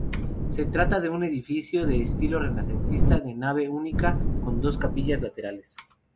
Se trata de un edificio de estilo renacentista de nave única con capillas laterales.